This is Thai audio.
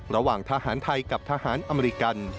ระหว่างทหารไทยกับทหารอเมริกัน